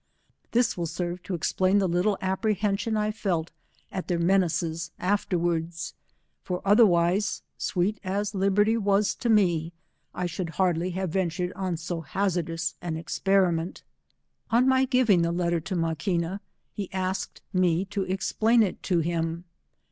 This will 'serve to explain the little apprehension I felt at their menaces afterwards. 183 for otherwise, sweet as liberty was to me, I should hardly have veotured oq so hazardous aa experi ment. On my giving the letter to Maquina, he asked me to explain it to him.